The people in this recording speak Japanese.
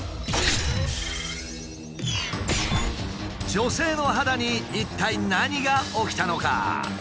女性の肌に一体何が起きたのか？